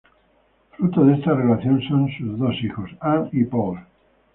Fruto de esta relación son sus dos hijos, Anne y Paul.